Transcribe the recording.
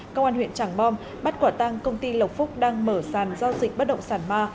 công an huyện tràng bom bắt quả tăng công ty lộc phúc đang mở sàn giao dịch bất động sản ma